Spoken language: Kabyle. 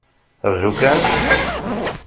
Ṛju kan!